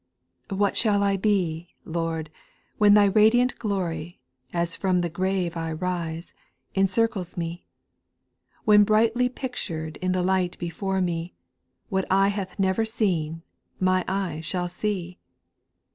2. What shall I be ? Lord, when Thy radiant glory, As from the grave I rise, encircles me ; When brightly pictured in the light before me. What eye hath never seen, my eye shall see.